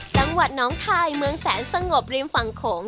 จังหวัดน้องคายเมืองแสนสงบริมฝั่งโขง